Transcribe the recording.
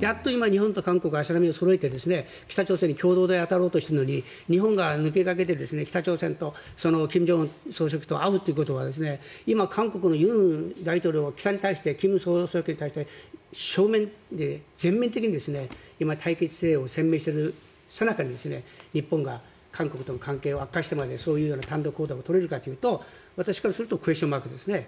やっと今、日本と韓国が足並みをそろえて北朝鮮に当たろうとしているのに日本が抜け駆けして北朝鮮と金正恩総書記と会うということは今、韓国の尹大統領は北に対して金総書記に対して正面で全面的に今、対決姿勢を鮮明にしているさなかに日本が韓国との関係を悪化してまでそういう単独行動を取れるかというと私からするとクエスチョンマークですね。